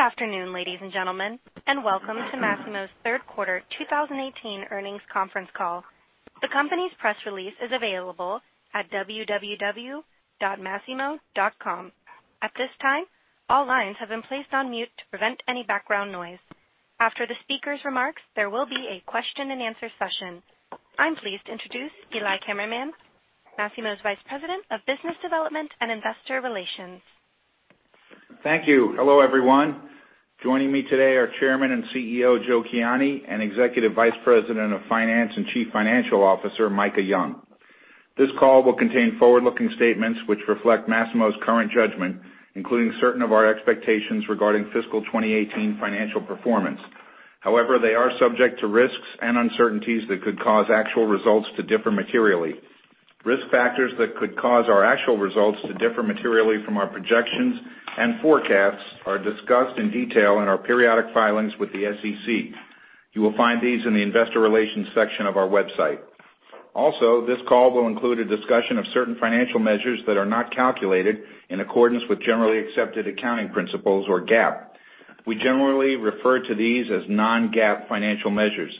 Good afternoon, ladies and gentlemen, welcome to Masimo's third quarter 2018 earnings conference call. The company's press release is available at www.masimo.com. At this time, all lines have been placed on mute to prevent any background noise. After the speaker's remarks, there will be a question and answer session. I'm pleased to introduce Eli Kammerman, Masimo's Vice President of Business Development and Investor Relations. Thank you. Hello, everyone. Joining me today are Chairman and CEO, Joe Kiani, and Executive Vice President of Finance and Chief Financial Officer, Micah Young. This call will contain forward-looking statements which reflect Masimo's current judgment, including certain of our expectations regarding fiscal 2018 financial performance. They are subject to risks and uncertainties that could cause actual results to differ materially. Risk factors that could cause our actual results to differ materially from our projections and forecasts are discussed in detail in our periodic filings with the SEC. You will find these in the investor relations section of our website. This call will include a discussion of certain financial measures that are not calculated in accordance with generally accepted accounting principles or GAAP. We generally refer to these as non-GAAP financial measures.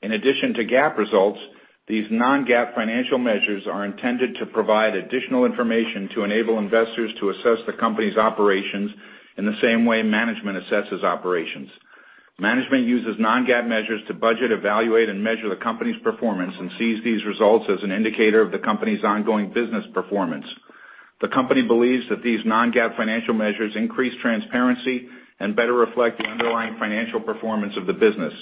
In addition to GAAP results, these non-GAAP financial measures are intended to provide additional information to enable investors to assess the company's operations in the same way management assesses operations. Management uses non-GAAP measures to budget, evaluate, and measure the company's performance and sees these results as an indicator of the company's ongoing business performance. The company believes that these non-GAAP financial measures increase transparency and better reflect the underlying financial performance of the business.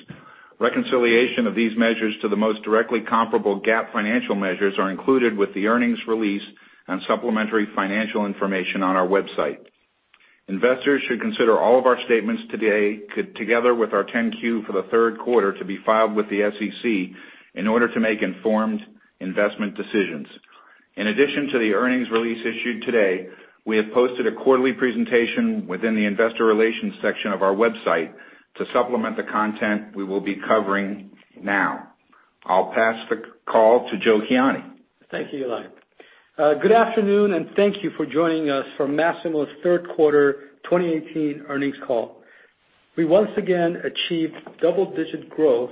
Reconciliation of these measures to the most directly comparable GAAP financial measures are included with the earnings release and supplementary financial information on our website. Investors should consider all of our statements today together with our 10-Q for the third quarter to be filed with the SEC in order to make informed investment decisions. In addition to the earnings release issued today, we have posted a quarterly presentation within the investor relations section of our website to supplement the content we will be covering now. I'll pass the call to Joe Kiani. Thank you, Eli. Good afternoon, and thank you for joining us for Masimo's third quarter 2018 earnings call. We once again achieved double-digit growth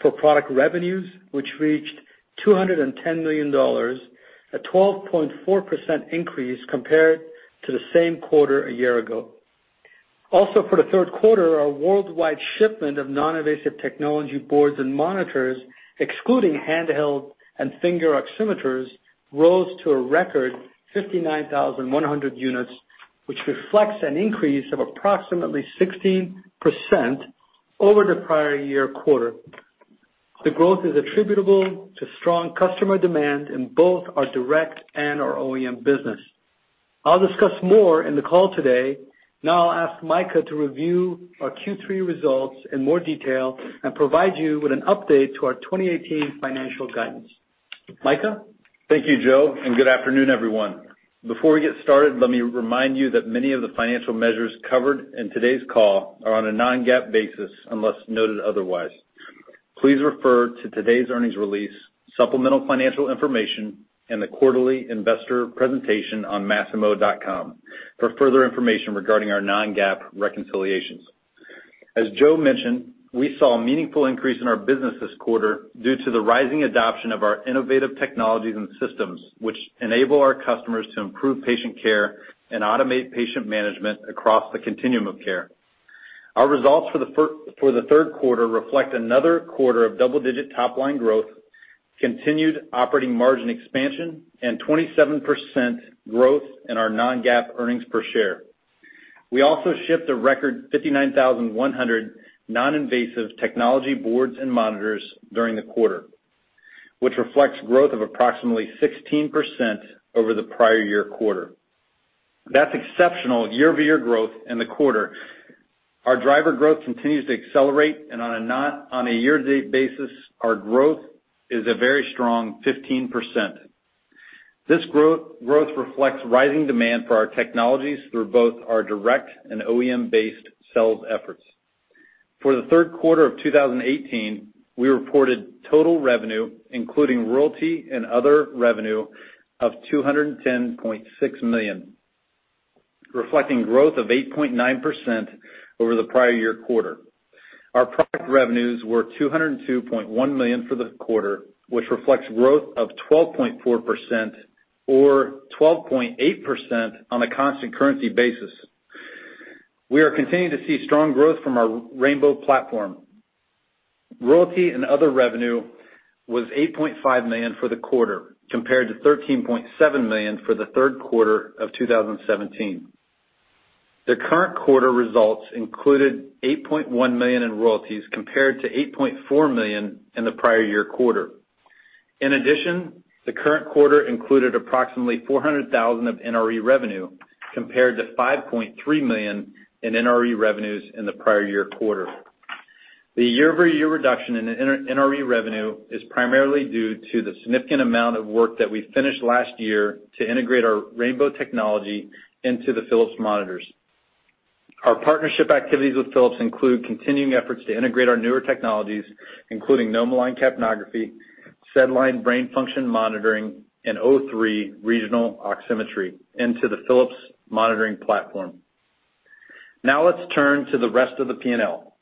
for product revenues, which reached $210 million, a 12.4% increase compared to the same quarter a year ago. Also, for the third quarter, our worldwide shipment of non-invasive technology boards and monitors, excluding handheld and finger oximeters, rose to a record 59,100 units, which reflects an increase of approximately 16% over the prior year quarter. The growth is attributable to strong customer demand in both our direct and our OEM business. I'll discuss more in the call today. Now I'll ask Micah to review our Q3 results in more detail and provide you with an update to our 2018 financial guidance. Micah? Thank you, Joe, and good afternoon, everyone. Before we get started, let me remind you that many of the financial measures covered in today's call are on a non-GAAP basis unless noted otherwise. Please refer to today's earnings release, supplemental financial information, and the quarterly investor presentation on masimo.com for further information regarding our non-GAAP reconciliations. As Joe mentioned, we saw a meaningful increase in our business this quarter due to the rising adoption of our innovative technologies and systems, which enable our customers to improve patient care and automate patient management across the continuum of care. Our results for the third quarter reflect another quarter of double-digit top-line growth, continued operating margin expansion, and 27% growth in our non-GAAP earnings per share. We also shipped a record 59,100 non-invasive technology boards and monitors during the quarter, which reflects growth of approximately 16% over the prior year quarter. That's exceptional year-over-year growth in the quarter. Our driver growth continues to accelerate, and on a year-to-date basis, our growth is a very strong 15%. This growth reflects rising demand for our technologies through both our direct and OEM-based sales efforts. For the third quarter of 2018, we reported total revenue, including royalty and other revenue, of $210.6 million, reflecting growth of 8.9% over the prior year quarter. Our product revenues were $202.1 million for the quarter, which reflects growth of 12.4% or 12.8% on a constant currency basis. We are continuing to see strong growth from our Rainbow platform. Royalty and other revenue was $8.5 million for the quarter, compared to $13.7 million for the third quarter of 2017. The current quarter results included $8.1 million in royalties compared to $8.4 million in the prior year quarter. In addition, the current quarter included approximately $400,000 of NRE revenue, compared to $5.3 million in NRE revenues in the prior year quarter. The year-over-year reduction in NRE revenue is primarily due to the significant amount of work that we finished last year to integrate our Rainbow technology into the Philips monitors. Our partnership activities with Philips include continuing efforts to integrate our newer technologies, including NomoLine capnography SedLine brain function monitoring and O3 regional oximetry into the Philips monitoring platform. Let's turn to the rest of the P&L.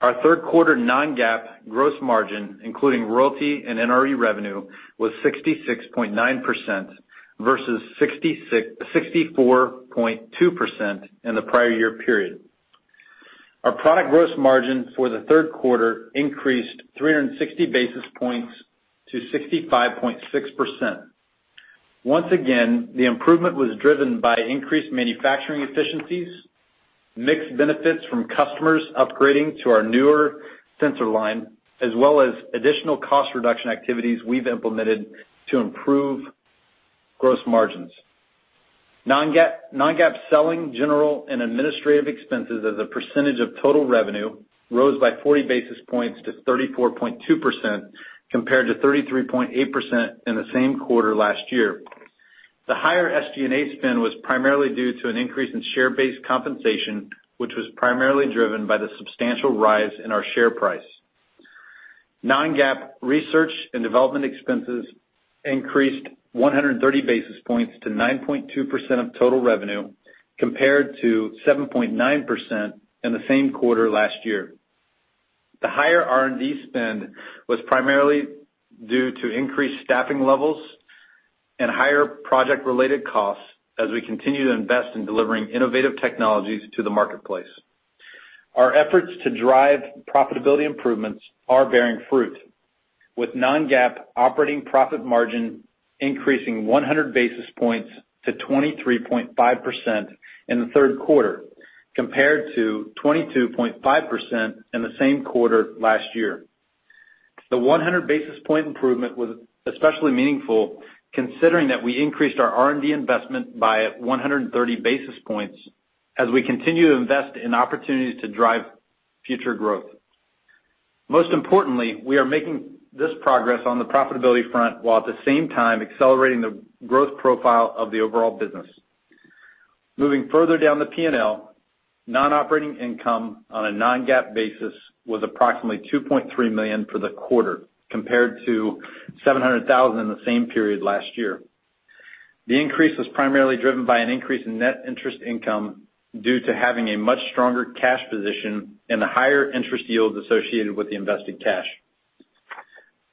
Our third quarter non-GAAP gross margin, including royalty and NRE revenue, was 66.9% versus 64.2% in the prior year period. Our product gross margin for the third quarter increased 360 basis points to 65.6%. Once again, the improvement was driven by increased manufacturing efficiencies, mixed benefits from customers upgrading to our newer sensor line, as well as additional cost reduction activities we've implemented to improve gross margins. Non-GAAP selling, general and administrative expenses as a percentage of total revenue rose by 40 basis points to 34.2% compared to 33.8% in the same quarter last year. The higher SG&A spend was primarily due to an increase in share-based compensation, which was primarily driven by the substantial rise in our share price. Non-GAAP research and development expenses increased 130 basis points to 9.2% of total revenue, compared to 7.9% in the same quarter last year. The higher R&D spend was primarily due to increased staffing levels and higher project-related costs as we continue to invest in delivering innovative technologies to the marketplace. Our efforts to drive profitability improvements are bearing fruit, with non-GAAP operating profit margin increasing 100 basis points to 23.5% in the third quarter, compared to 22.5% in the same quarter last year. The 100 basis point improvement was especially meaningful considering that we increased our R&D investment by 130 basis points as we continue to invest in opportunities to drive future growth. We are making this progress on the profitability front while at the same time accelerating the growth profile of the overall business. Moving further down the P&L, non-operating income on a non-GAAP basis was approximately $2.3 million for the quarter, compared to $700,000 in the same period last year. The increase was primarily driven by an increase in net interest income due to having a much stronger cash position and the higher interest yields associated with the invested cash.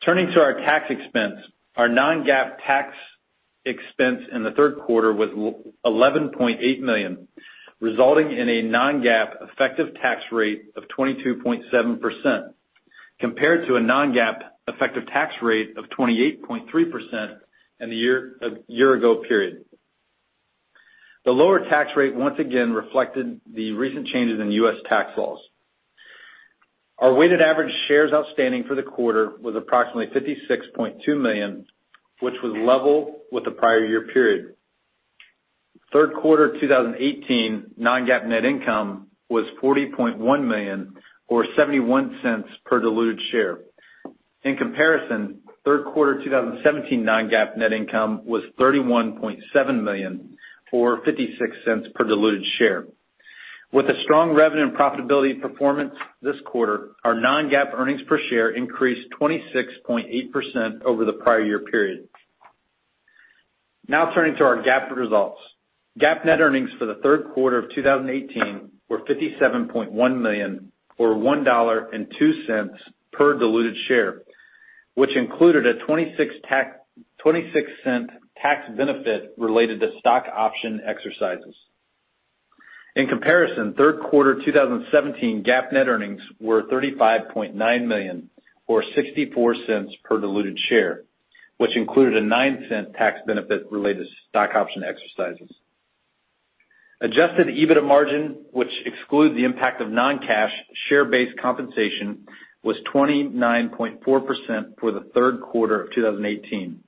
Turning to our tax expense, our non-GAAP tax expense in the third quarter was $11.8 million, resulting in a non-GAAP effective tax rate of 22.7%, compared to a non-GAAP effective tax rate of 28.3% in the year ago period. The lower tax rate once again reflected the recent changes in U.S. tax laws. Our weighted average shares outstanding for the quarter was approximately 56.2 million, which was level with the prior year period. Third quarter 2018 non-GAAP net income was $40.1 million or $0.71 per diluted share. In comparison, third quarter 2017 non-GAAP net income was $31.7 million or $0.56 per diluted share. With a strong revenue and profitability performance this quarter, our non-GAAP earnings per share increased 26.8% over the prior year period. Turning to our GAAP results. GAAP net earnings for the third quarter of 2018 were $57.1 million or $1.02 per diluted share, which included a $0.26 tax benefit related to stock option exercises. In comparison, third quarter 2017 GAAP net earnings were $35.9 million or $0.64 per diluted share, which included a $0.09 tax benefit related to stock option exercises. Adjusted EBITDA margin, which excludes the impact of non-cash share-based compensation, was 29.4% for the third quarter of 2018.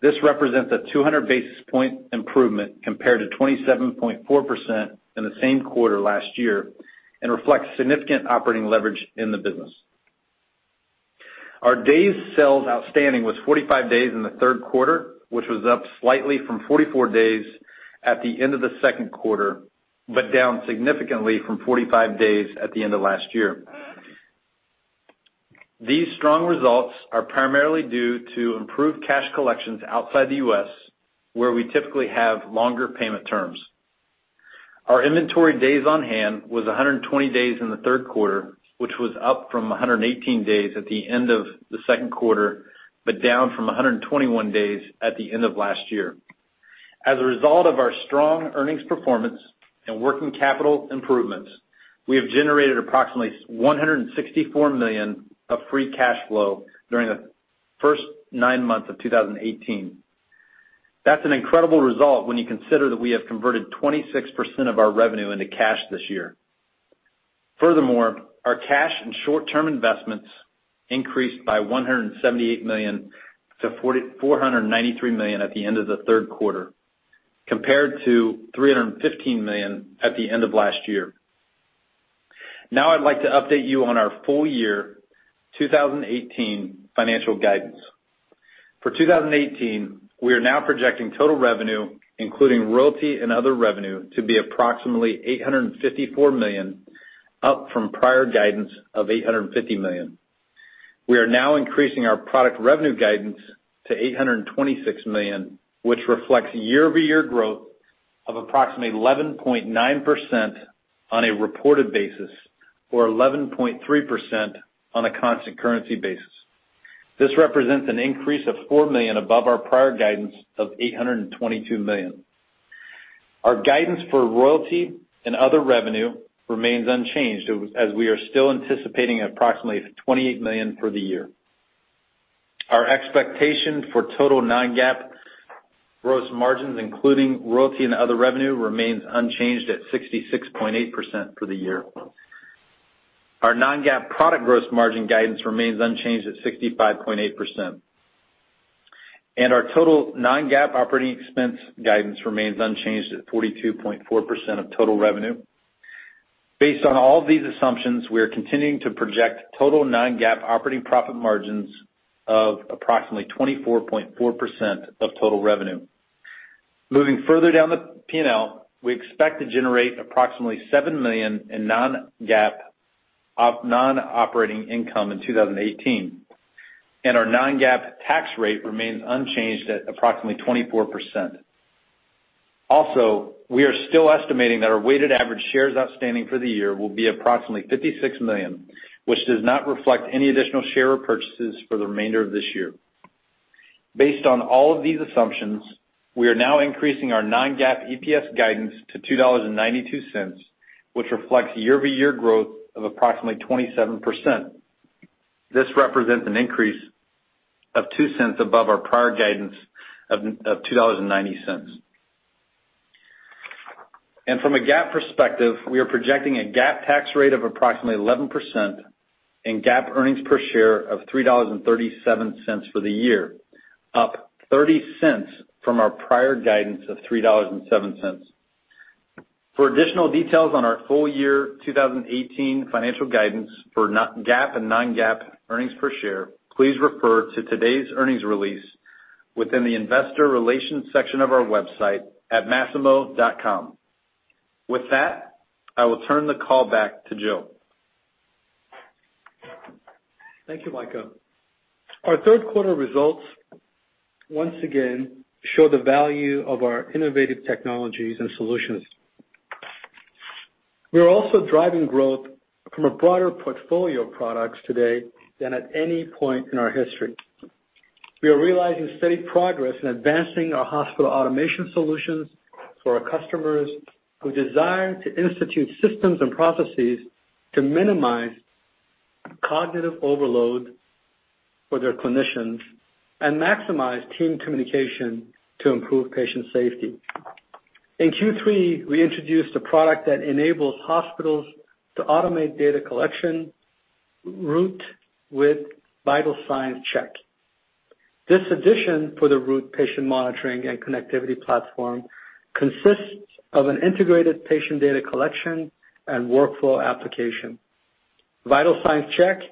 This represents a 200 basis point improvement compared to 27.4% in the same quarter last year and reflects significant operating leverage in the business. Our days sales outstanding was 45 days in the third quarter, which was up slightly from 44 days at the end of the second quarter, but down significantly from 45 days at the end of last year. These strong results are primarily due to improved cash collections outside the U.S., where we typically have longer payment terms. Our inventory days on hand was 120 days in the third quarter, which was up from 118 days at the end of the second quarter, but down from 121 days at the end of last year. As a result of our strong earnings performance and working capital improvements, we have generated approximately $164 million of free cash flow during the first nine months of 2018. That's an incredible result when you consider that we have converted 26% of our revenue into cash this year. Furthermore, our cash and short-term investments increased by $178 million to $493 million at the end of the third quarter, compared to $315 million at the end of last year. I'd like to update you on our full year 2018 financial guidance. For 2018, we are now projecting total revenue, including royalty and other revenue, to be approximately $854 million, up from prior guidance of $850 million. We are now increasing our product revenue guidance to $826 million, which reflects year-over-year growth of approximately 11.9% on a reported basis or 11.3% on a constant currency basis. This represents an increase of $4 million above our prior guidance of $822 million. Our guidance for royalty and other revenue remains unchanged as we are still anticipating approximately $28 million for the year. Our expectation for total non-GAAP gross margins, including royalty and other revenue, remains unchanged at 66.8% for the year. Our non-GAAP product gross margin guidance remains unchanged at 65.8%. Our total non-GAAP operating expense guidance remains unchanged at 42.4% of total revenue. Based on all these assumptions, we are continuing to project total non-GAAP operating profit margins of approximately 24.4% of total revenue. Moving further down the P&L, we expect to generate approximately $7 million in non-operating income in 2018. Our non-GAAP tax rate remains unchanged at approximately 24%. We are still estimating that our weighted average shares outstanding for the year will be approximately 56 million, which does not reflect any additional share purchases for the remainder of this year. Based on all of these assumptions, we are now increasing our non-GAAP EPS guidance to $2.92, which reflects year-over-year growth of approximately 27%. This represents an increase of $0.02 above our prior guidance of $2.90. From a GAAP perspective, we are projecting a GAAP tax rate of approximately 11% and GAAP earnings per share of $3.37 for the year, up $0.30 from our prior guidance of $3.07. For additional details on our full year 2018 financial guidance for GAAP and non-GAAP earnings per share, please refer to today's earnings release within the investor relations section of our website at masimo.com. With that, I will turn the call back to Joe. Thank you, Micah. Our third quarter results once again show the value of our innovative technologies and solutions. We are also driving growth from a broader portfolio of products today than at any point in our history. We are realizing steady progress in advancing our hospital automation solutions for our customers who desire to institute systems and processes to minimize cognitive overload for their clinicians and maximize team communication to improve patient safety. In Q3, we introduced a product that enables hospitals to automate data collection, Root with Vital Signs Check. This addition for the Root patient monitoring and connectivity platform consists of an integrated patient data collection and workflow application. Vital Signs Check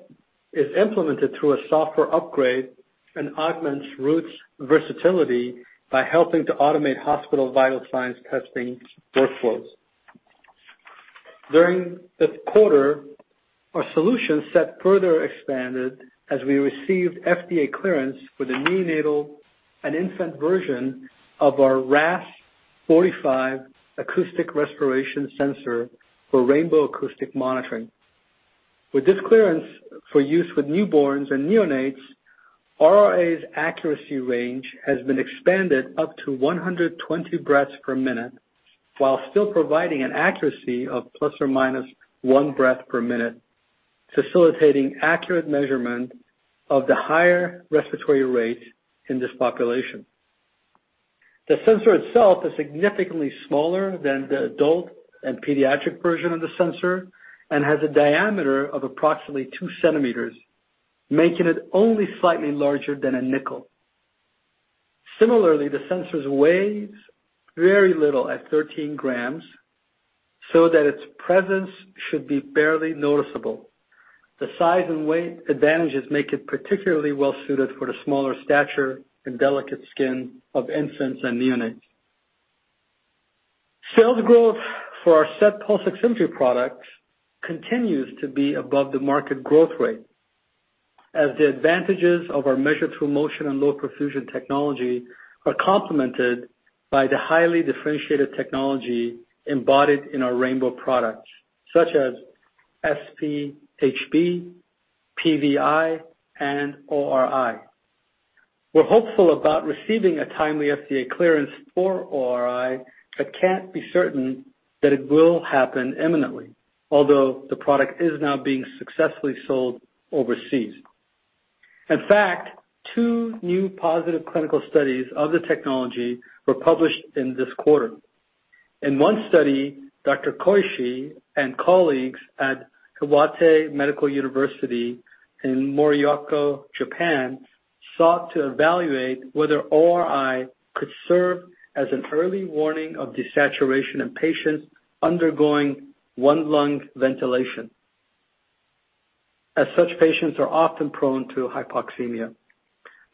is implemented through a software upgrade and augments Root's versatility by helping to automate hospital vital signs testing workflows. During this quarter, our solution set further expanded as we received FDA clearance for the neonatal and infant version of our RAS-45 Acoustic Respiration Sensor for rainbow Acoustic Monitoring. With this clearance for use with newborns and neonates, RAS's accuracy range has been expanded up to 120 breaths per minute while still providing an accuracy of ±one breath per minute, facilitating accurate measurement of the higher respiratory rate in this population. The sensor itself is significantly smaller than the adult and pediatric version of the sensor and has a diameter of approximately two centimeters, making it only slightly larger than a nickel. Similarly, the sensor weighs very little at 13 grams, so that its presence should be barely noticeable. The size and weight advantages make it particularly well suited for the smaller stature and delicate skin of infants and neonates. Sales growth for our SET pulse oximetry products continues to be above the market growth rate as the advantages of our measure through motion and low perfusion technology are complemented by the highly differentiated technology embodied in our rainbow products, such as SpHb, PVi, and ORi. We're hopeful about receiving a timely FDA clearance for ORi, but can't be certain that it will happen imminently, although the product is now being successfully sold overseas. In fact, two new positive clinical studies of the technology were published in this quarter. In one study, Dr. Koishi and colleagues at Iwate Medical University in Morioka, Japan, sought to evaluate whether ORi could serve as an early warning of desaturation in patients undergoing one lung ventilation. As such, patients are often prone to hypoxemia.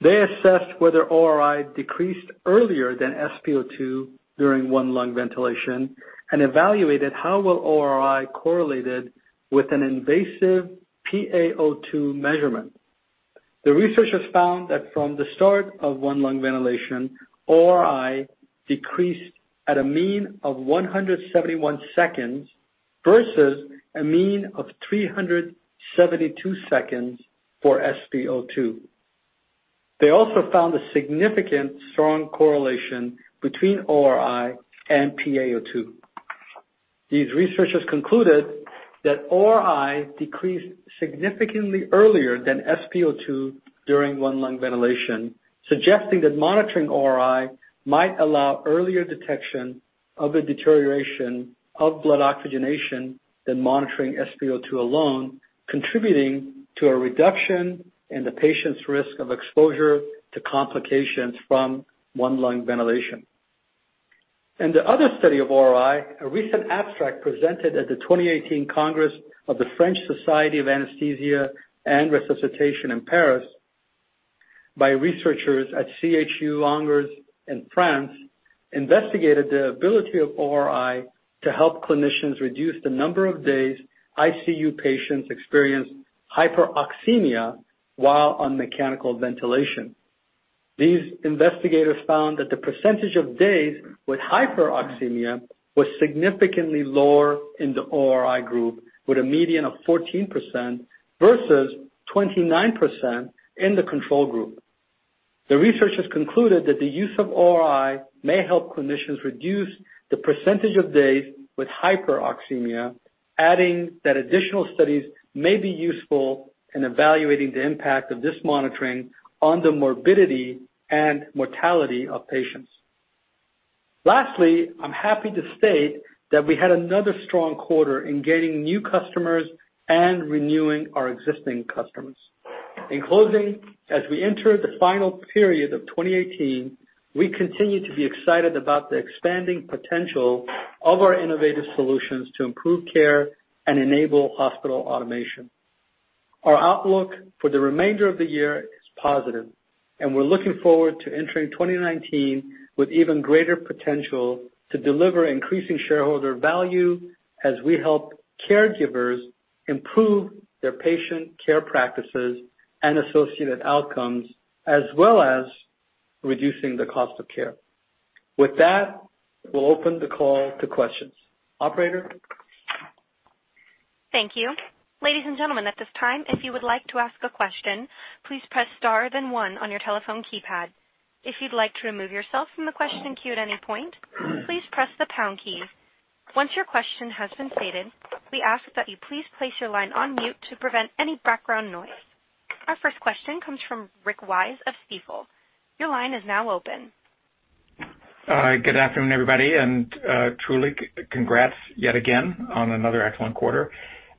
They assessed whether ORi decreased earlier than SpO2 during one-lung ventilation and evaluated how well ORi correlated with an invasive PaO2 measurement. The researchers found that from the start of one-lung ventilation, ORi decreased at a mean of 171 seconds versus a mean of 372 seconds for SpO2. They also found a significant strong correlation between ORi and PaO2. These researchers concluded that ORi decreased significantly earlier than SpO2 during one-lung ventilation, suggesting that monitoring ORi might allow earlier detection of a deterioration of blood oxygenation than monitoring SpO2 alone, contributing to a reduction in the patient's risk of exposure to complications from one-lung ventilation. In the other study of ORi, a recent abstract presented at the 2018 Congress of the French Society of Anesthesia and Resuscitation in Paris by researchers at CHU Angers in France investigated the ability of ORi to help clinicians reduce the number of days ICU patients experience hyperoxemia while on mechanical ventilation. These investigators found that the percentage of days with hyperoxemia was significantly lower in the ORi group, with a median of 14% versus 29% in the control group. The researchers concluded that the use of ORi may help clinicians reduce the percentage of days with hyperoxemia, adding that additional studies may be useful in evaluating the impact of this monitoring on the morbidity and mortality of patients. Lastly, I'm happy to state that we had another strong quarter in getting new customers and renewing our existing customers. In closing, as we enter the final period of 2018, we continue to be excited about the expanding potential of our innovative solutions to improve care and enable hospital automation. Our outlook for the remainder of the year is positive. We're looking forward to entering 2019 with even greater potential to deliver increasing shareholder value as we help caregivers improve their patient care practices and associated outcomes, as well as reducing the cost of care. With that, we'll open the call to questions. Operator? Thank you. Ladies and gentlemen, at this time, if you would like to ask a question, please press star then one on your telephone keypad. If you'd like to remove yourself from the question queue at any point, please press the pound key. Once your question has been stated, we ask that you please place your line on mute to prevent any background noise. Our first question comes from Rick Wise of Stifel. Your line is now open. Good afternoon, everybody. Truly congrats yet again on another excellent quarter.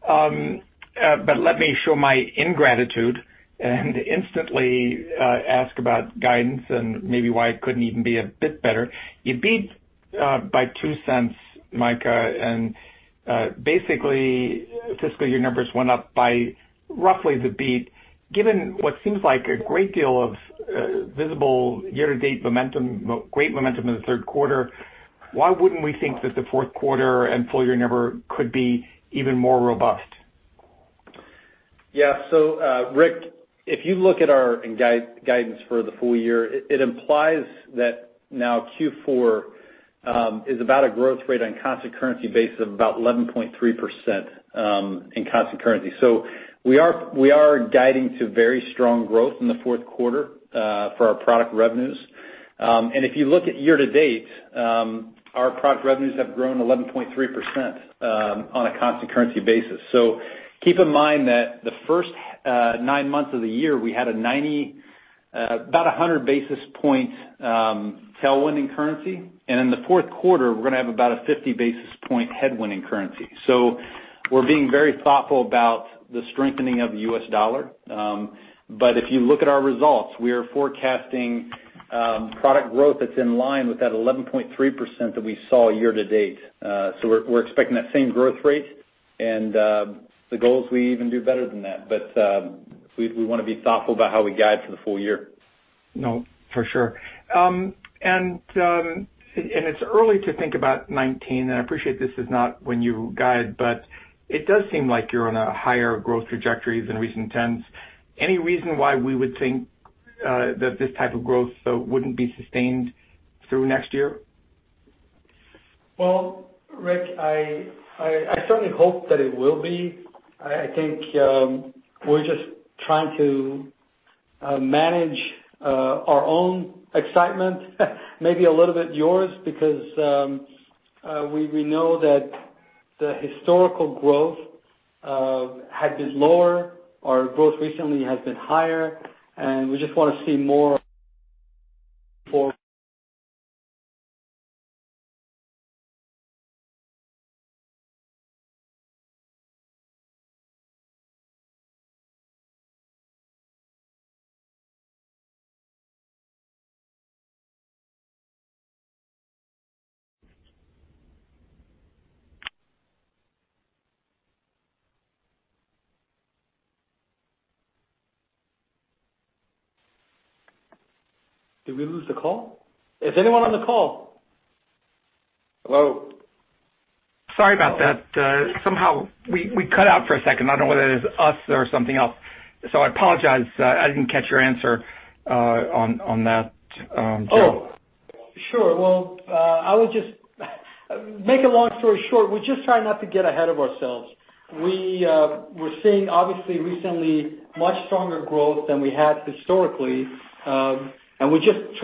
Let me show my ingratitude and instantly ask about guidance and maybe why it couldn't even be a bit better. You beat by $0.02, Micah. Basically, fiscal year numbers went up by roughly the beat. Given what seems like a great deal of visible year-to-date momentum, great momentum in the third quarter, why wouldn't we think that the fourth quarter and full-year number could be even more robust? Rick, if you look at our guidance for the full year, it implies that now Q4 is about a growth rate on constant currency basis of about 11.3% in constant currency. We are guiding to very strong growth in the fourth quarter for our product revenues. If you look at year-to-date, our product revenues have grown 11.3% on a constant currency basis. Keep in mind that the first nine months of the year, we had about 100 basis points tailwind in currency, and in the fourth quarter, we're going to have about a 50 basis point headwind in currency. We're being very thoughtful about the strengthening of the U.S. dollar. If you look at our results, we are forecasting product growth that's in line with that 11.3% that we saw year-to-date. We're expecting that same growth rate. The goal is we even do better than that. We want to be thoughtful about how we guide for the full year. No, for sure. It's early to think about 2019, and I appreciate this is not when you guide, but it does seem like you're on a higher growth trajectory than recent times. Any reason why we would think that this type of growth wouldn't be sustained through next year? Well, Rick, I certainly hope that it will be. I think we're just trying to manage our own excitement, maybe a little bit yours, because we know that the historical growth had been lower. Our growth recently has been higher. Did we lose the call? Is anyone on the call? Hello? Sorry about that. Somehow we cut out for a second. I don't know whether it is us or something else. I apologize. I didn't catch your answer on that, Joe. Oh, sure. Well, to make a long story short, we're just trying not to get ahead of ourselves. We're seeing, obviously, recently, much stronger growth than we had historically.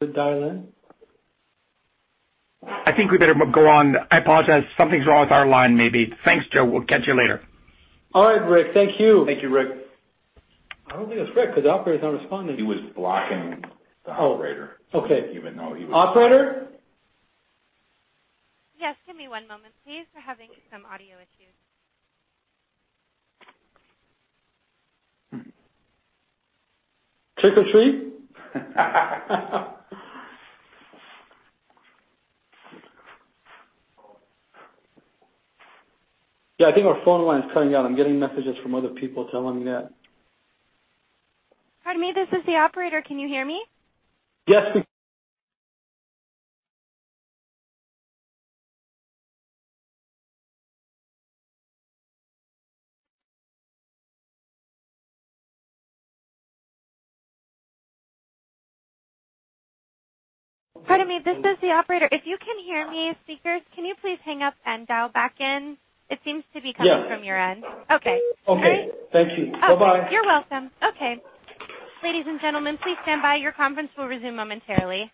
Did that help? I think we better go on. I apologize. Something's wrong with our line maybe. Thanks, Joe. We'll catch you later. All right, Rick. Thank you. Thank you, Rick. I don't think it's Rick, because the operator's not responding. He was blocking the operator. Oh, okay. Operator? Yes. Give me one moment, please. We're having some audio issues. Trick or treat? Yeah, I think our phone line's cutting out. I'm getting messages from other people telling me that. Pardon me. This is the operator. Can you hear me? Yes, we Pardon me. This is the operator. If you can hear me, speakers, can you please hang up and dial back in? It seems to be coming from your end. Yes. Okay. Okay. Thank you. Bye-bye. You're welcome. Okay. Ladies and gentlemen, please stand by. Your conference will resume momentarily.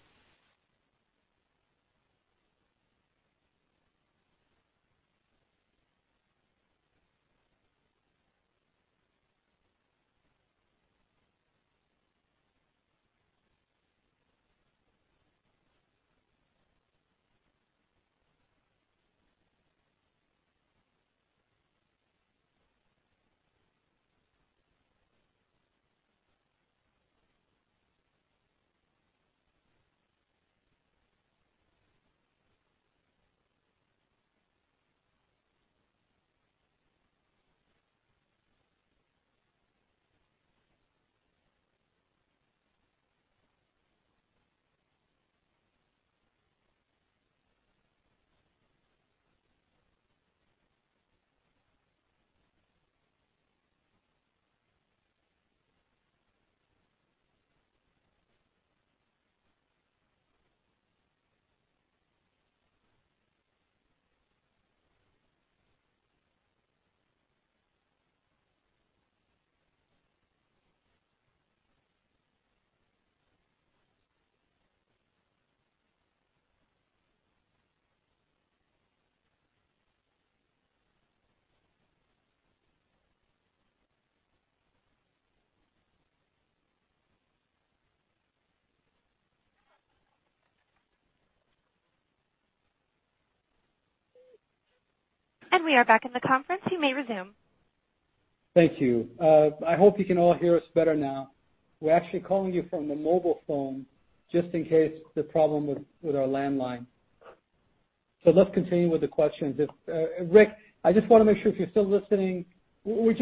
We are back in the conference. You may resume. Thank you. I hope you can all hear us better now. We're actually calling you from the mobile phone just in case there's a problem with our landline. Let's continue with the questions. Rick, I just want to make sure if you're still listening, we're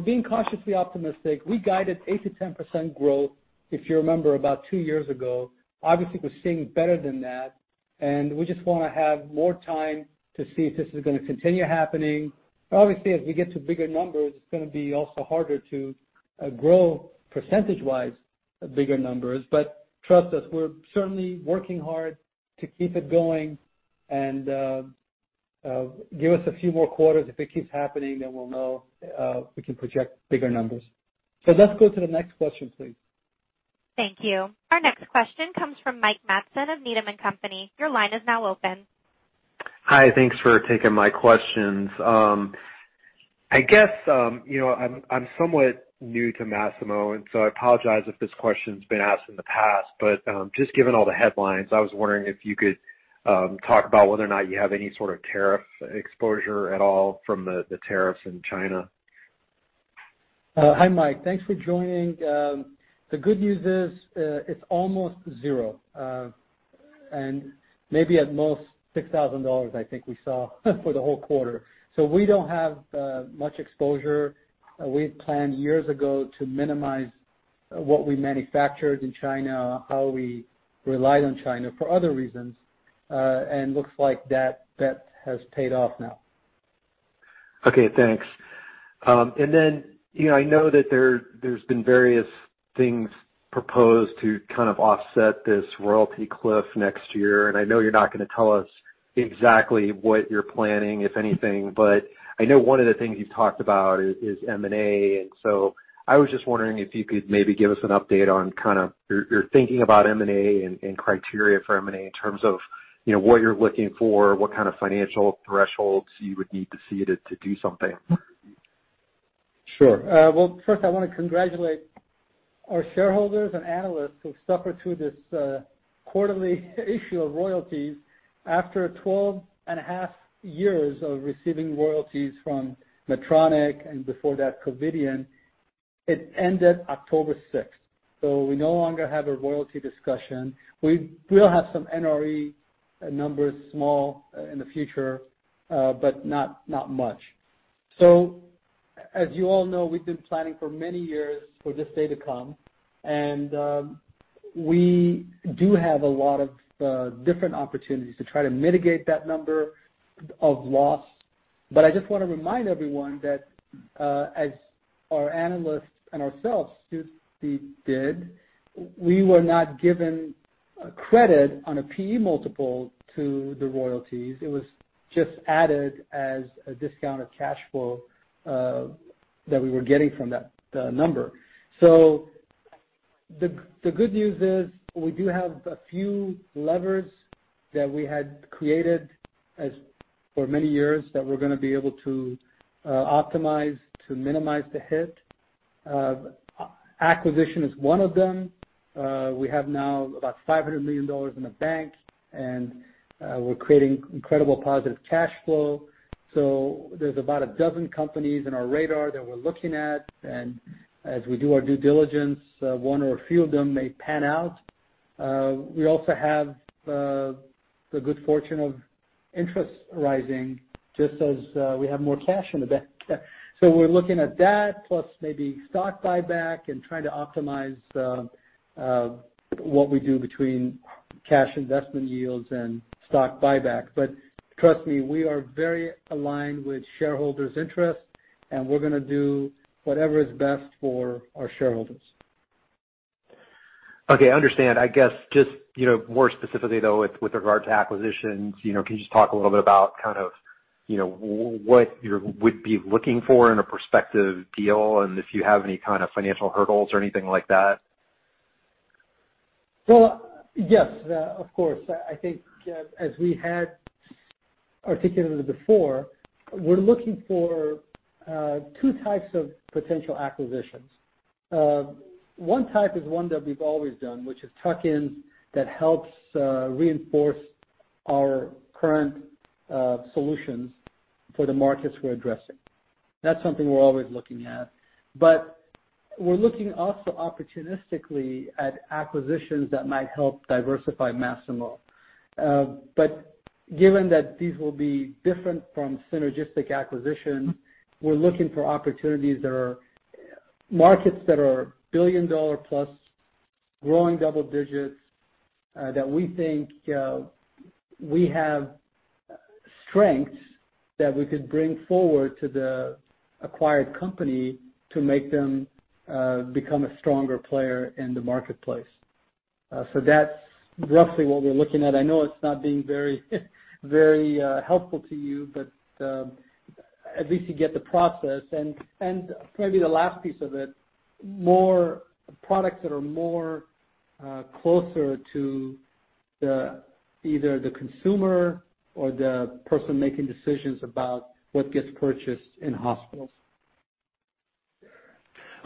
being cautiously optimistic. We guided 8% to 10% growth, if you remember, about 2 years ago. Obviously, we're seeing better than that, and we just want to have more time to see if this is going to continue happening. Obviously, as we get to bigger numbers, it's going to be also harder to grow percentage-wise bigger numbers. Trust us, we're certainly working hard to keep it going and give us a few more quarters. If it keeps happening, then we'll know we can project bigger numbers. Let's go to the next question, please. Thank you. Our next question comes from Mike Matson of Needham & Company. Your line is now open. Hi. Thanks for taking my questions. I guess, I'm somewhat new to Masimo. I apologize if this question's been asked in the past, but just given all the headlines, I was wondering if you could talk about whether or not you have any sort of tariff exposure at all from the tariffs in China. Hi, Mike. Thanks for joining. The good news is it's almost zero. Maybe at most $6,000 I think we saw for the whole quarter. We don't have much exposure. We had planned years ago to minimize what we manufactured in China, how we relied on China for other reasons, and looks like that bet has paid off now. Okay, thanks. I know that there's been various things proposed to kind of offset this royalty cliff next year. I know you're not going to tell us exactly what you're planning, if anything. I know one of the things you've talked about is M&A. I was just wondering if you could maybe give us an update on your thinking about M&A and criteria for M&A in terms of what you're looking for, what kind of financial thresholds you would need to see to do something. Sure. Well, first I want to congratulate our shareholders and analysts who've suffered through this quarterly issue of royalties after 12.5 years of receiving royalties from Medtronic, and before that Covidien. It ended October 6th. We no longer have a royalty discussion. We'll have some NRE numbers, small in the future, but not much. As you all know, we've been planning for many years for this day to come. We do have a lot of different opportunities to try to mitigate that number of loss. I just want to remind everyone that, as our analysts and ourselves suitably did, we were not given a credit on a PE multiple to the royalties. It was just added as a discount of cash flow that we were getting from that number. The good news is we do have a few levers that we had created for many years that we're going to be able to optimize to minimize the hit. Acquisition is one of them. We have now about $500 million in the bank. We're creating incredible positive cash flow. There's about a dozen companies in our radar that we're looking at. As we do our due diligence, one or a few of them may pan out. We also have the good fortune of interest rising just as we have more cash in the bank. We're looking at that, plus maybe stock buyback and trying to optimize what we do between cash investment yields and stock buyback. Trust me, we are very aligned with shareholders' interest. We're going to do whatever is best for our shareholders. Okay, understand. I guess just more specifically though, with regard to acquisitions, can you just talk a little bit about what you would be looking for in a prospective deal? If you have any kind of financial hurdles or anything like that? Well, yes, of course. I think as we had articulated before, we're looking for 2 types of potential acquisitions. One type is 1 that we've always done, which is tuck-ins that helps reinforce our current solutions for the markets we're addressing. That's something we're always looking at, we're looking also opportunistically at acquisitions that might help diversify Masimo. Given that these will be different from synergistic acquisitions, we're looking for opportunities that are markets that are $1 billion-plus, growing double digits, that we think we have strengths that we could bring forward to the acquired company to make them become a stronger player in the marketplace. That's roughly what we're looking at. I know it's not being very helpful to you, but at least you get the process and maybe the last piece of it, products that are more closer to either the consumer or the person making decisions about what gets purchased in hospitals.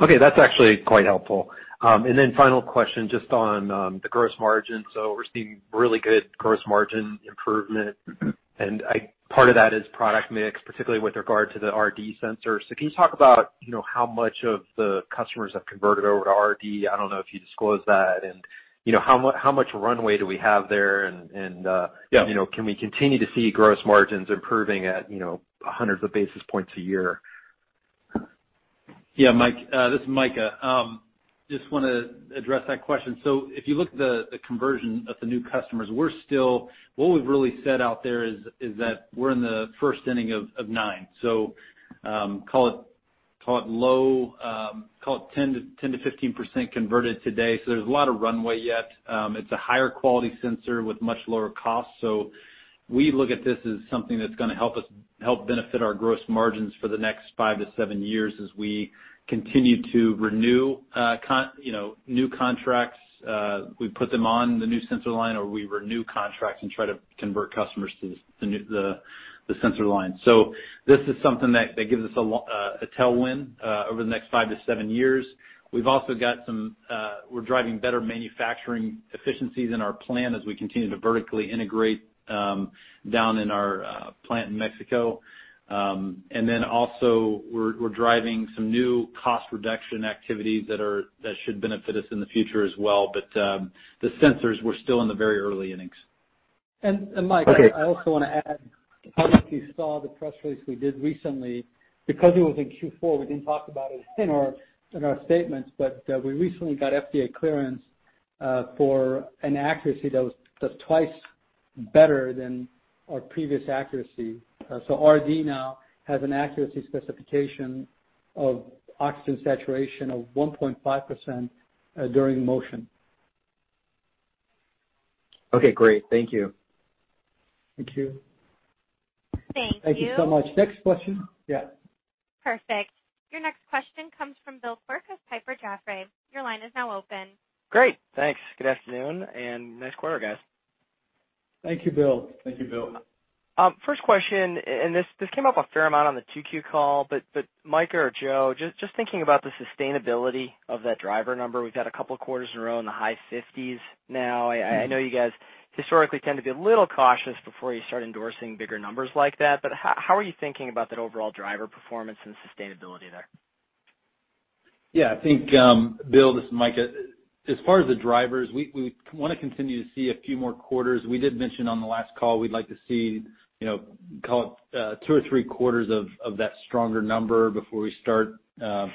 Okay, that's actually quite helpful. Final question, just on the gross margin. We're seeing really good gross margin improvement, part of that is product mix, particularly with regard to the RD sensor. Can you talk about how much of the customers have converted over to RD? I don't know if you disclosed that, how much runway do we have there. Yeah Can we continue to see gross margins improving at hundreds of basis points a year? Mike. This is Micah. Want to address that question. If you look at the conversion of the new customers, what we've really said out there is that we're in the first inning of nine. Call it 10%-15% converted today. There's a lot of runway yet. It's a higher quality sensor with much lower cost. We look at this as something that's going to help benefit our gross margins for the next 5-7 years as we continue to renew new contracts. We put them on the new sensor line, or we renew contracts and try to convert customers to the sensor line. This is something that gives us a tailwind over the next 5-7 years. We're driving better manufacturing efficiencies in our plan as we continue to vertically integrate down in our plant in Mexico. We're driving some new cost reduction activities that should benefit us in the future as well. The sensors, we're still in the very early innings. Mike- Okay I also want to add, I don't know if you saw the press release we did recently. It was in Q4, we didn't talk about it in our statements, but we recently got FDA clearance for an accuracy that's twice better than our previous accuracy. RD now has an accuracy specification of oxygen saturation of 1.5% during motion. Okay, great. Thank you. Thank you. Thank you. Thank you so much. Next question? Yeah. Perfect. Your next question comes from Bill Quirk of Piper Jaffray. Your line is now open. Great. Thanks. Good afternoon. Nice quarter, guys. Thank you, Bill. Thank you, Bill. First question, this came up a fair amount on the 2Q call, Micah or Joe, just thinking about the sustainability of that driver number. We've had a couple of quarters in a row in the high 50s now. I know you guys historically tend to be a little cautious before you start endorsing bigger numbers like that, how are you thinking about that overall driver performance and sustainability there? Yeah, I think, Bill, this is Micah. As far as the drivers, we want to continue to see a few more quarters. We did mention on the last call, we'd like to see call it two or three quarters of that stronger number before we start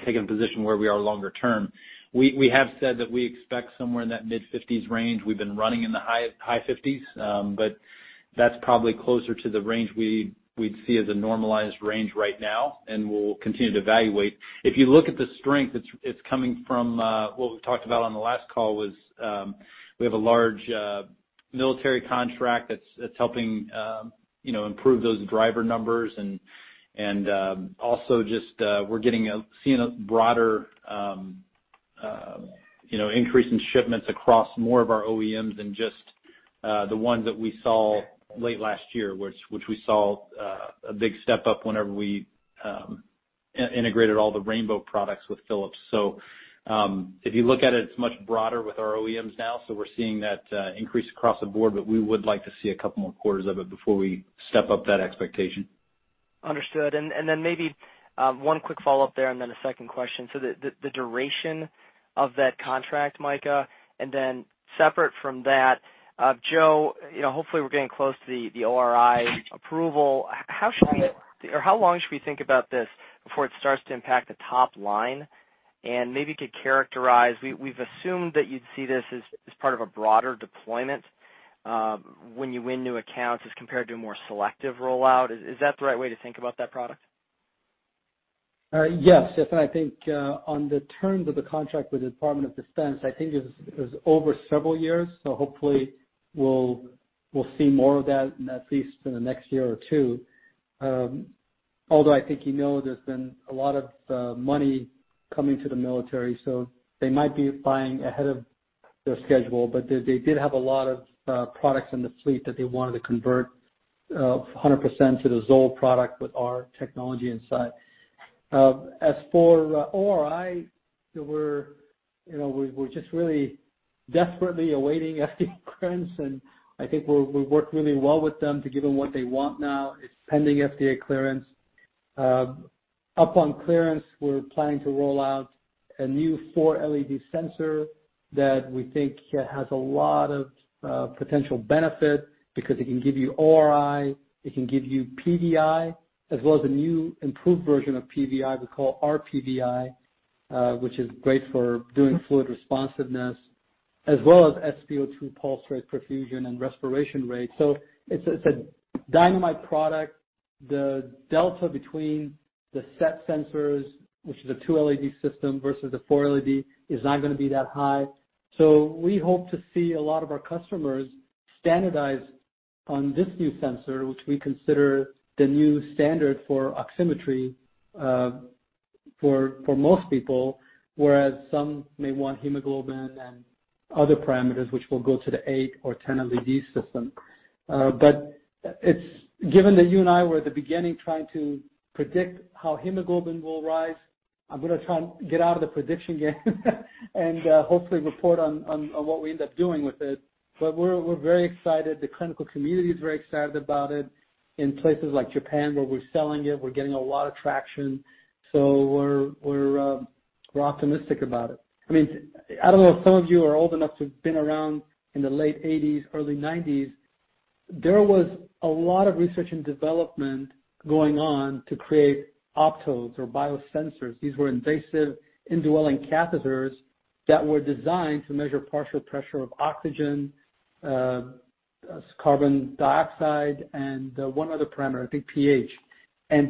taking a position where we are longer term. We have said that we expect somewhere in that mid-50s range. We've been running in the high 50s. That's probably closer to the range we'd see as a normalized range right now, and we'll continue to evaluate. If you look at the strength, it's coming from what we've talked about on the last call was, we have a large military contract that's helping improve those driver numbers, and also just we're seeing a broader increase in shipments across more of our OEMs than just the ones that we saw late last year, which we saw a big step up whenever we integrated all the rainbow products with Philips. If you look at it's much broader with our OEMs now, so we're seeing that increase across the board, but we would like to see a couple more quarters of it before we step up that expectation. Understood. Maybe one quick follow-up there, and then a second question. The duration of that contract, Micah, and then separate from that, Joe, hopefully we're getting close to the ORi approval. How long should we think about this before it starts to impact the top line? Maybe you could characterize, we've assumed that you'd see this as part of a broader deployment when you win new accounts as compared to a more selective rollout. Is that the right way to think about that product? Yes. I think on the terms of the contract with the Department of Defense, I think it was over several years, so hopefully we'll see more of that in at least in the next year or two. Although I think you know there's been a lot of money coming to the military, so they might be buying ahead of their schedule. They did have a lot of products in the fleet that they wanted to convert 100% to the ZOLL product with our technology inside. As for ORi, we're just really desperately awaiting FDA clearance. I think we work really well with them to give them what they want now. It's pending FDA clearance. Upon clearance, we're planning to roll out a new four LED sensor that we think has a lot of potential benefit because it can give you ORi, it can give you PVi, as well as a new improved version of PVi we call RPVi, which is great for doing fluid responsiveness, as well as SpO2 pulse rate profusion and respiration rate. It's a dynamite product. The delta between the SET sensors, which is a two LED system versus the four LED, is not going to be that high. We hope to see a lot of our customers standardize on this new sensor, which we consider the new standard for oximetry for most people, whereas some may want hemoglobin and other parameters, which will go to the 8 or 10 LED system. Given that you and I were at the beginning trying to predict how hemoglobin will rise, I'm going to try and get out of the prediction game and hopefully report on what we end up doing with it. We're very excited. The clinical community is very excited about it. In places like Japan where we're selling it, we're getting a lot of traction. We're optimistic about it. I don't know if some of you are old enough to have been around in the late '80s, early '90s, there was a lot of research and development going on to create optodes or biosensors. These were invasive indwelling catheters that were designed to measure partial pressure of oxygen, carbon dioxide, and one other parameter, I think pH.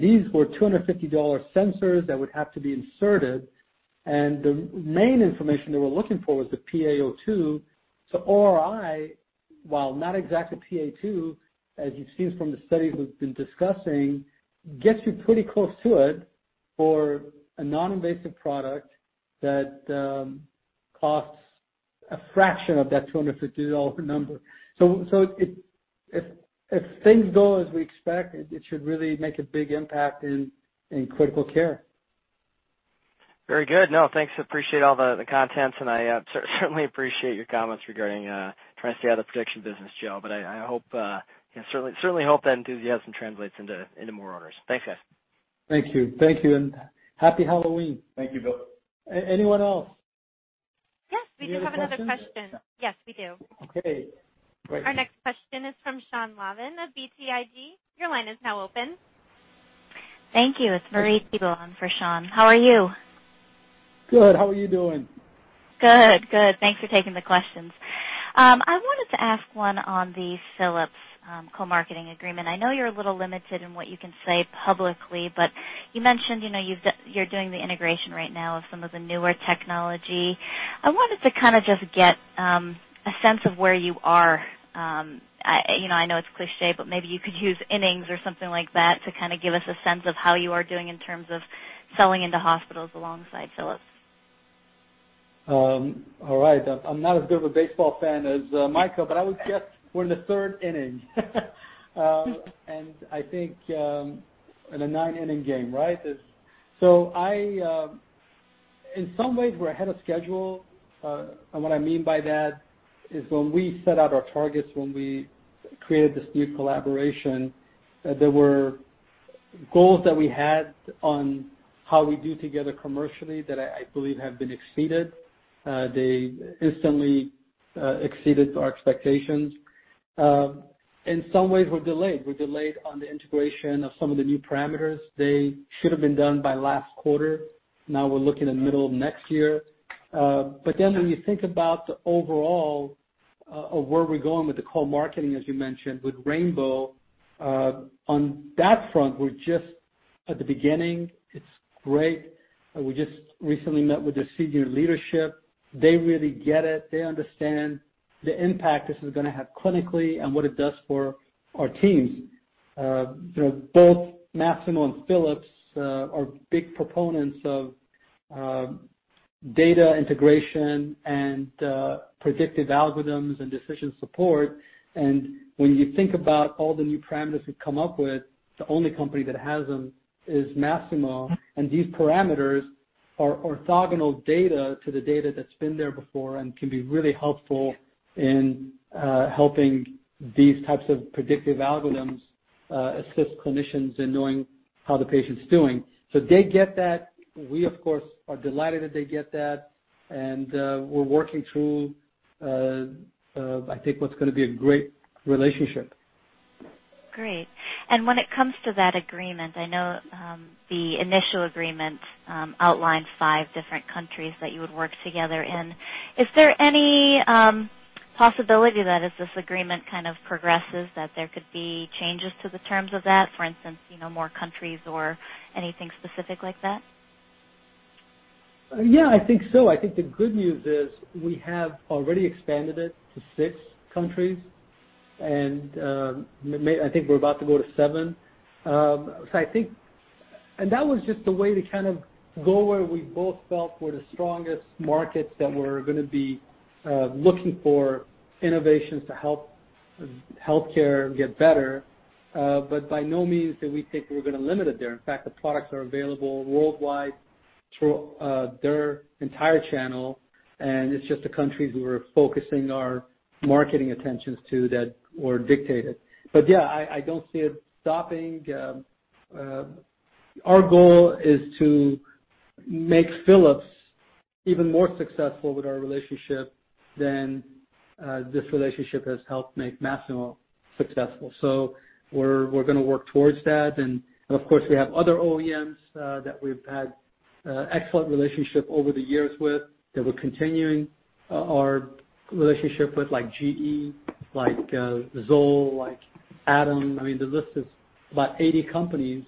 These were $250 sensors that would have to be inserted. The main information they were looking for was the PaO2 to ORi, while not exact to PaO2, as you've seen from the studies we've been discussing, gets you pretty close to it for a non-invasive product that costs a fraction of that $250 number. If things go as we expect, it should really make a big impact in critical care. Very good. No, thanks. Appreciate all the content, and I certainly appreciate your comments regarding trying to stay out of the prediction business, Joe, but I certainly hope that enthusiasm translates into more orders. Thanks, guys. Thank you. Thank you, and happy Halloween. Thank you, Bill. Anyone else? Yes, we do have another question. You have a question? Yes, we do. Okay, great. Our next question is from Sean Lavin of BTIG. Your line is now open. Thank you. It's Marie Thibault for Sean. How are you? Good. How are you doing? Good. Thanks for taking the questions. I wanted to ask one on the Philips co-marketing agreement. I know you're a little limited in what you can say publicly. You mentioned you're doing the integration right now of some of the newer technology. I wanted to kind of just get a sense of where you are. I know it's cliché, maybe you could use innings or something like that to kind of give us a sense of how you are doing in terms of selling into hospitals alongside Philips. All right. I'm not as good of a baseball fan as Micah, but I would guess we're in the third inning. I think in a nine-inning game, right? In some ways, we're ahead of schedule. What I mean by that is, when we set out our targets, when we created this new collaboration, there were goals that we had on how we do together commercially that I believe have been exceeded. They instantly exceeded our expectations. In some ways, we're delayed. We're delayed on the integration of some of the new parameters. They should've been done by last quarter. Now we're looking in the middle of next year. When you think about the overall of where we're going with the co-marketing, as you mentioned, with rainbow, on that front, we're just at the beginning. It's great. We just recently met with their senior leadership. They really get it. They understand the impact this is going to have clinically and what it does for our teams. Both Masimo and Philips are big proponents of data integration and predictive algorithms and decision support. When you think about all the new parameters we've come up with, the only company that has them is Masimo, and these parameters are orthogonal data to the data that's been there before and can be really helpful in helping these types of predictive algorithms assist clinicians in knowing how the patient's doing. They get that. We, of course, are delighted that they get that, and we're working through, I think, what's going to be a great relationship. Great. When it comes to that agreement, I know the initial agreement outlined five different countries that you would work together in. Is there any possibility that as this agreement kind of progresses, that there could be changes to the terms of that? For instance, more countries or anything specific like that? Yeah, I think so. I think the good news is we have already expanded it to six countries, and I think we're about to go to seven. That was just a way to kind of go where we both felt were the strongest markets that were going to be looking for innovations to help healthcare get better. By no means do we think we're going to limit it there. In fact, the products are available worldwide through their entire channel, and it's just the countries we're focusing our marketing attentions to that were dictated. Yeah, I don't see it stopping. Our goal is to make Philips even more successful with our relationship than this relationship has helped make Masimo successful. We're going to work towards that, of course, we have other OEMs that we've had excellent relationship over the years with, that we're continuing our relationship with, like GE, like ZOLL, like Atom. The list is about 80 companies.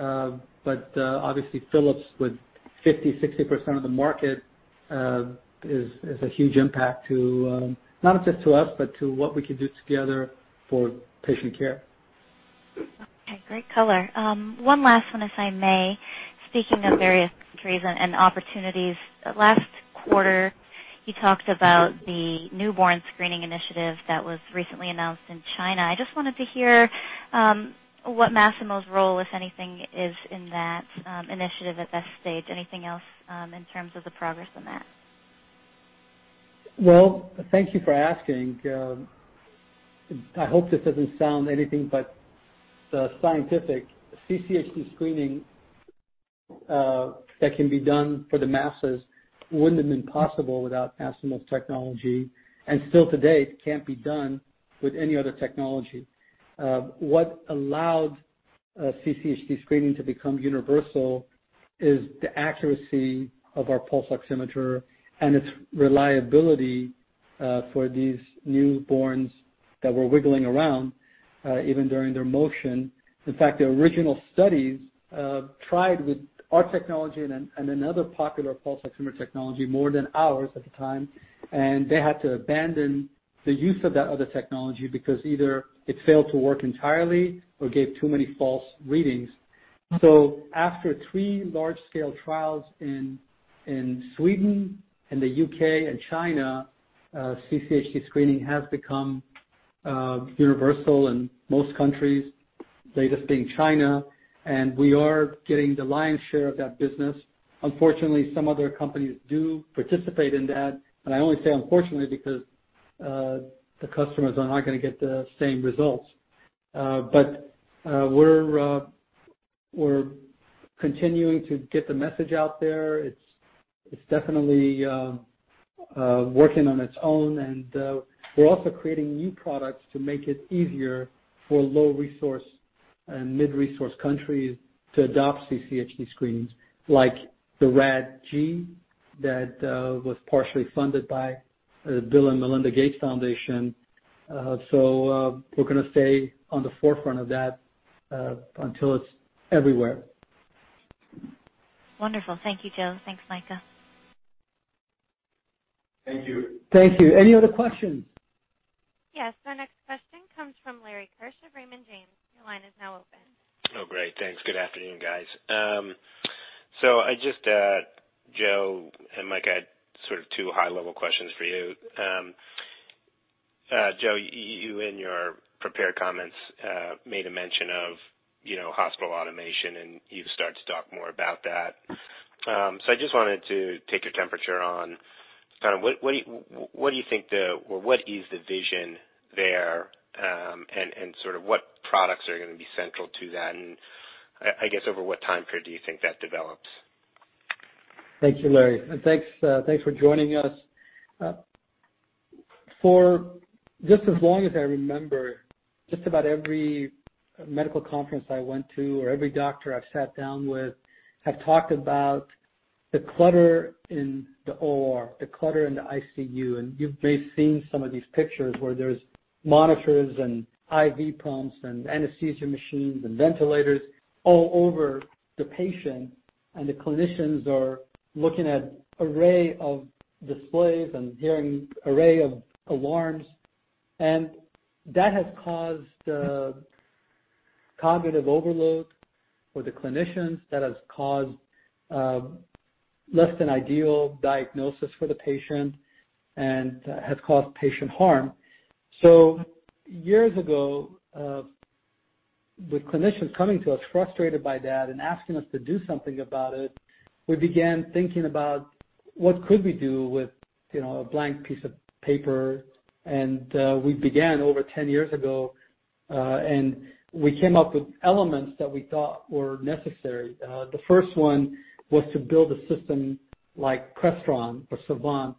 Obviously, Philips, with 50%, 60% of the market is a huge impact, not just to us, but to what we can do together for patient care. Okay, great color. One last one, if I may. Speaking of various countries and opportunities, last quarter, you talked about the Newborn Screening Initiative that was recently announced in China. I just wanted to hear what Masimo's role, if anything, is in that initiative at this stage. Anything else in terms of the progress on that? Thank you for asking. I hope this doesn't sound anything but scientific. CCHD screening that can be done for the masses wouldn't have been possible without Masimo's technology, and still today, can't be done with any other technology. What allowed CCHD screening to become universal is the accuracy of our pulse oximeter and its reliability for these newborns that were wiggling around, even during their motion. In fact, the original studies tried with our technology and another popular pulse oximeter technology, more than ours at the time, and they had to abandon the use of that other technology because either it failed to work entirely or gave too many false readings. After three large-scale trials in Sweden and the U.K. and China, CCHD screening has become universal in most countries, latest being China, and we are getting the lion's share of that business. Unfortunately, some other companies do participate in that, I only say unfortunately because the customers are not going to get the same results. We're continuing to get the message out there. It's definitely working on its own, we're also creating new products to make it easier for low resource and mid-resource countries to adopt CCHD screenings, like the Rad-G that was partially funded by the Bill & Melinda Gates Foundation. We're going to stay on the forefront of that until it's everywhere. Wonderful. Thank you, Joe. Thanks, Micah. Thank you. Thank you. Any other questions? Yes. Our next question comes from Larry Keusch, Raymond James. Your line is now open. Oh, great. Thanks. Good afternoon, guys. Joe and Micah, I had two high-level questions for you. Joe, you, in your prepared comments, made a mention of hospital automation, and you started to talk more about that. I just wanted to take your temperature on what do you think or what is the vision there, and what products are going to be central to that? I guess, over what time period do you think that develops? Thank you, Larry, and thanks for joining us. For just as long as I remember, just about every medical conference I went to or every doctor I've sat down with have talked about the clutter in the OR, the clutter in the ICU. You may have seen some of these pictures where there's monitors and IV pumps and anesthesia machines and ventilators all over the patient, and the clinicians are looking at array of displays and hearing array of alarms. That has caused cognitive overload for the clinicians, that has caused less than ideal diagnosis for the patient, and has caused patient harm. Years ago, with clinicians coming to us frustrated by that and asking us to do something about it, we began thinking about what could we do with a blank piece of paper. We began over 10 years ago, and we came up with elements that we thought were necessary. The first one was to build a system like Crestron or Savant,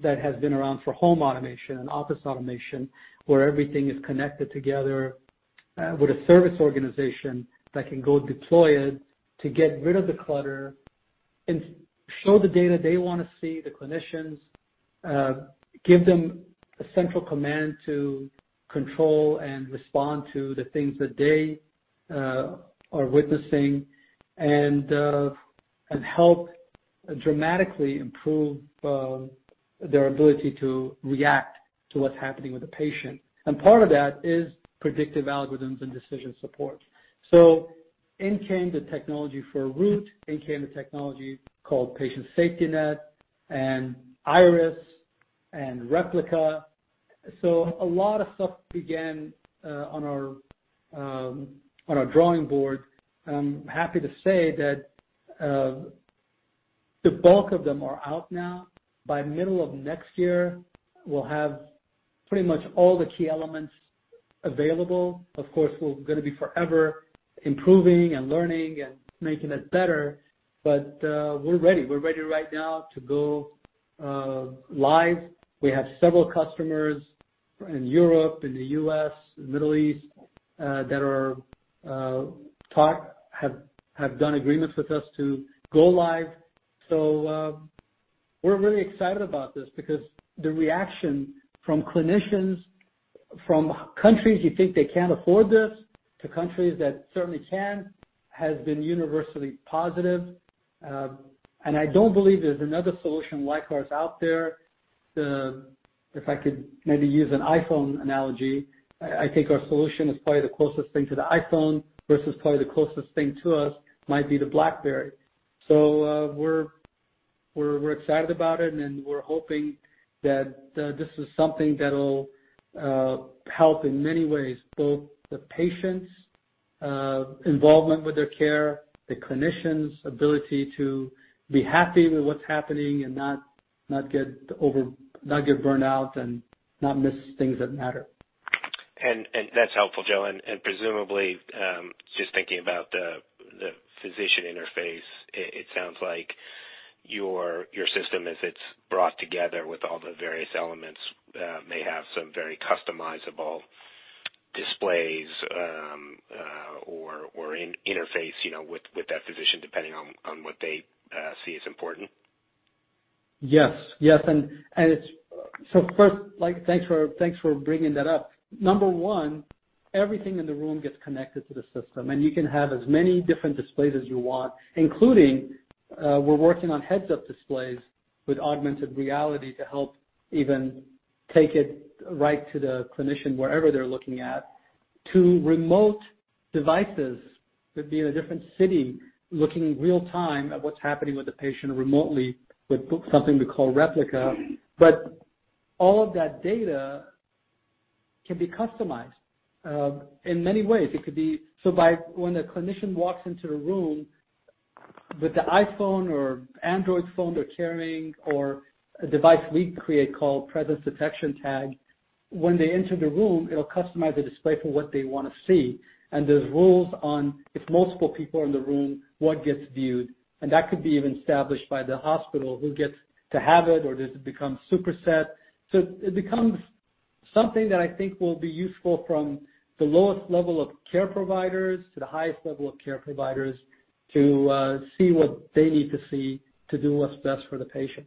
that has been around for home automation and office automation, where everything is connected together with a service organization that can go deploy it to get rid of the clutter and show the data they want to see, the clinicians, give them a central command to control and respond to the things that they are witnessing and help dramatically improve their ability to react to what's happening with the patient. Part of that is predictive algorithms and decision support. In came the technology for Root, in came the technology called Patient SafetyNet and Iris and Replica. A lot of stuff began on our drawing board. I'm happy to say that the bulk of them are out now. By middle of next year, we'll have pretty much all the key elements available. Of course, we're going to be forever improving and learning and making it better. We're ready. We're ready right now to go live. We have several customers in Europe, in the U.S., in the Middle East that have done agreements with us to go live. We're really excited about this because the reaction from clinicians from countries you'd think they can't afford this to countries that certainly can, has been universally positive. I don't believe there's another solution like ours out there. If I could maybe use an iPhone analogy, I think our solution is probably the closest thing to the iPhone versus probably the closest thing to us might be the BlackBerry. We're excited about it, and we're hoping that this is something that'll help in many ways, both the patients' involvement with their care, the clinicians' ability to be happy with what's happening and not get burnt out and not miss things that matter. That's helpful, Joe. Presumably, just thinking about the physician interface, it sounds like your system as it's brought together with all the various elements may have some very customizable displays or interface with that physician, depending on what they see as important. Yes. First, thanks for bringing that up. Number 1, everything in the room gets connected to the system, and you can have as many different displays as you want, including, we're working on heads-up displays with augmented reality to help even take it right to the clinician wherever they're looking at, to remote devices. Could be in a different city, looking real time at what's happening with the patient remotely with something we call Replica. All of that data can be customized in many ways. It could be when the clinician walks into the room with the iPhone or Android phone they're carrying or a device we create called Presence Detection Tag. When they enter the room, it'll customize the display for what they want to see. There's rules on if multiple people are in the room, what gets viewed. That could be even established by the hospital, who gets to have it, or does it become super set? It becomes something that I think will be useful from the lowest level of care providers to the highest level of care providers to see what they need to see to do what's best for the patient.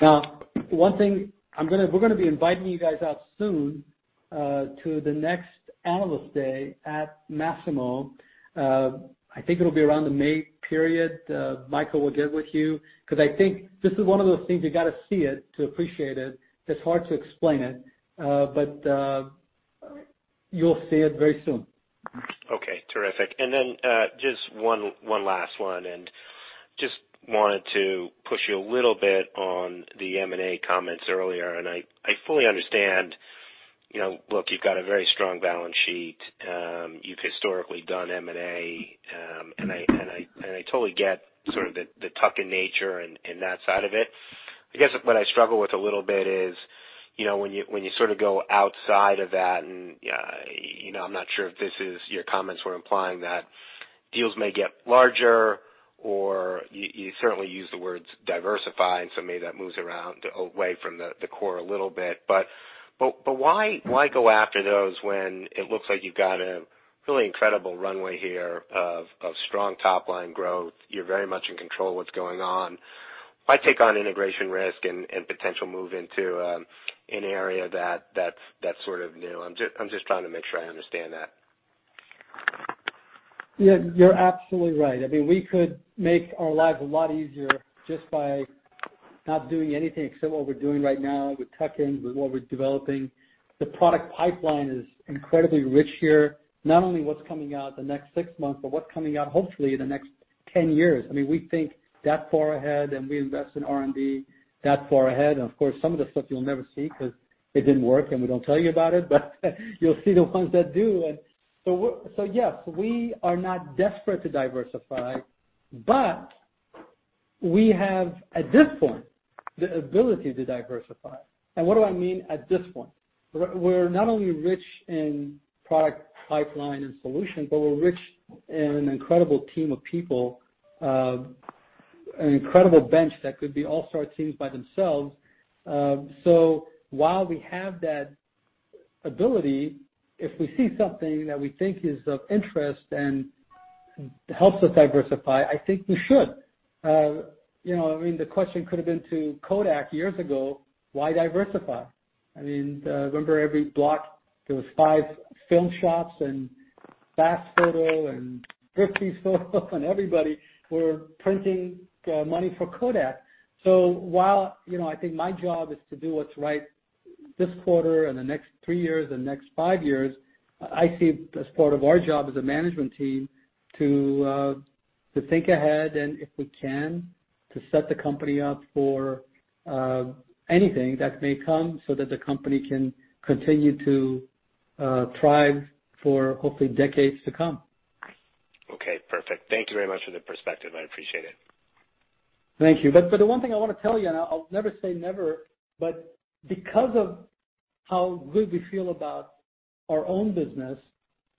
Now, one thing, we're going to be inviting you guys out soon to the next Analyst Day at Masimo. I think it'll be around the May period. Micah will get with you, because I think this is one of those things you got to see it to appreciate it. It's hard to explain it. You'll see it very soon. Okay. Terrific. Just one last one. Just wanted to push you a little bit on the M&A comments earlier. I fully understand, look, you've got a very strong balance sheet. You've historically done M&A. I totally get sort of the tuck-in nature and that side of it. I guess what I struggle with a little bit is, when you sort of go outside of that. I'm not sure if this is your comments were implying that deals may get larger, or you certainly used the words diversify, maybe that moves around away from the core a little bit. Why go after those when it looks like you've got a really incredible runway here of strong top-line growth? You're very much in control of what's going on. Why take on integration risk and potential move into an area that's sort of new? I'm just trying to make sure I understand that. You're absolutely right. We could make our lives a lot easier just by not doing anything except what we're doing right now with tuck-in, with what we're developing. The product pipeline is incredibly rich here. Not only what's coming out the next 6 months, but what's coming out hopefully in the next 10 years. We think that far ahead. We invest in R&D that far ahead. Of course, some of the stuff you'll never see because it didn't work. We don't tell you about it, but you'll see the ones that do. Yes, we are not desperate to diversify, but we have, at this point, the ability to diversify. What do I mean at this point? We're not only rich in product pipeline and solution, but we're rich in an incredible team of people, an incredible bench that could be all-star teams by themselves. While we have that ability, if we see something that we think is of interest and helps us diversify, I think we should. The question could have been to Kodak years ago, why diversify? Remember every block, there was 5 film shops, and Fast Foto and Fox Photo and everybody were printing money for Kodak. While I think my job is to do what's right this quarter and the next 3 years and the next 5 years, I see as part of our job as a management team to think ahead and if we can, to set the company up for anything that may come so that the company can continue to thrive for hopefully decades to come. Okay, perfect. Thank you very much for the perspective. I appreciate it. Thank you. The one thing I want to tell you, and I'll never say never, but because of how good we feel about our own business,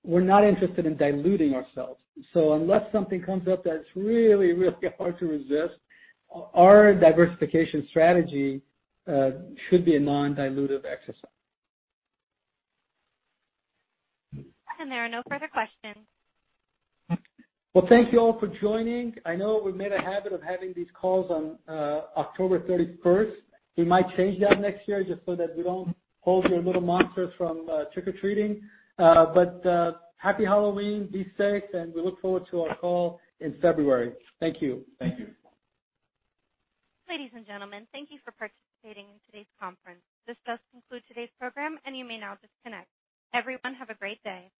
we're not interested in diluting ourselves. Unless something comes up that's really, really hard to resist, our diversification strategy should be a non-dilutive exercise. There are no further questions. Well, thank you all for joining. I know we've made a habit of having these calls on October 31st. We might change that next year just so that we don't hold your little monsters from trick-or-treating. Happy Halloween, be safe, and we look forward to our call in February. Thank you. Thank you. Ladies and gentlemen, thank you for participating in today's conference. This does conclude today's program, and you may now disconnect. Everyone, have a great day.